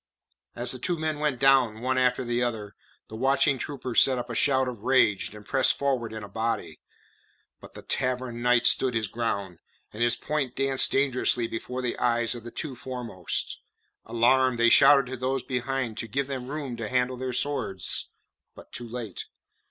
As the two men went down, one after the other, the watching troopers set up a shout of rage, and pressed forward in a body. But the Tavern Knight stood his ground, and his points danced dangerously before the eyes of the two foremost. Alarmed, they shouted to those behind to give them room to handle their swords; but too late.